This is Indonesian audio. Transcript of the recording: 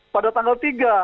pada tanggal tiga